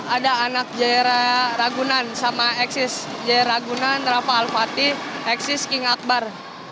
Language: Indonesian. ada anak jayara ragunan sama eksis jaya ragunan rafa al fatih eksis king akbar